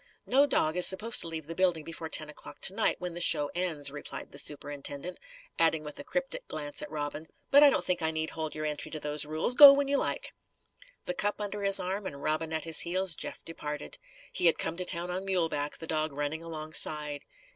"No dog is supposed to leave the building before ten o'clock to night, when the show ends," replied the superintendent, adding with a cryptic glance at Robin: "But I don't think I need hold your entry to those rules. Go when you like." The cup under his arm and Robin at his heels, Jeff departed. He had come to town on mule back, the dog running alongside.